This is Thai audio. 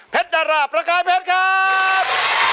ดาราประกายเพชรครับ